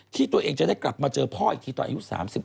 ที่ตัวเองจะได้กลับมาเจอพ่ออีกทีตอนอายุ๓๑